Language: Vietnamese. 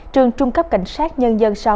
trường trung cấp cảnh sát nhân dân sáu